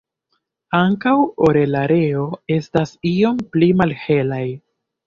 Ankaŭ orelareo estas iom pli malhelaj.